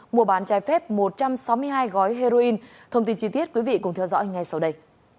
mùa bán trái phép một trăm sáu mươi hai gói heroin thông tin chi tiết quý vị cùng theo dõi ngay sau đây